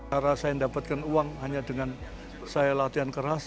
karena saya mendapatkan uang hanya dengan saya latihan keras